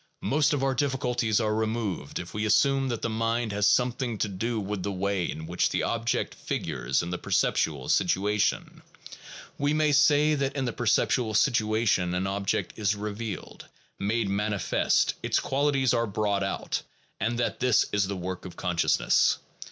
Most of our difficulties are removed if we assume that the mind has something to do with the way in which the object figures in the perceptual situation. We may say that in the perceptual situation an object is revealed, made manifest, its qualities are brought out, and that this is the work of consciousness.